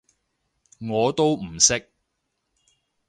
我都唔識